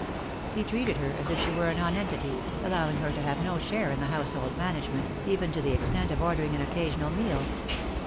He treated her as if she were a nonentity, allowing her to have no share in the household management, even to the extent of ordering an occasional meal.